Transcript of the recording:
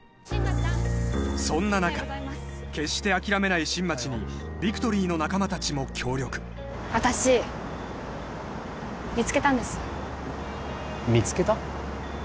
そんな中決して諦めない新町にビクトリーの仲間達も協力私見つけたんです見つけた？